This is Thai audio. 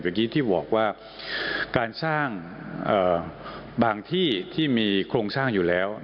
เมื่อกี้ที่บอกว่าการสร้างบางที่ที่มีโครงสร้างอยู่แล้ว